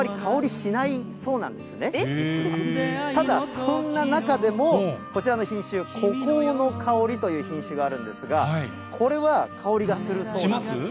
ただ、そんな中でも、こちらの品種、孤高の香りという品種があるんですが、これは香りがするそうなんです。